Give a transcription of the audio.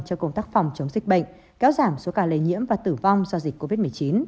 cho công tác phòng chống dịch bệnh kéo giảm số ca lây nhiễm và tử vong do dịch covid một mươi chín